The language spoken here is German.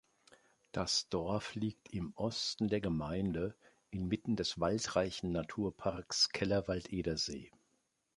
Das Dorf liegt im Osten der Gemeinde inmitten des waldreichen Naturparks Kellerwald-Edersee.